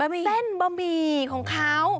เส้นบะหมี่ของเขา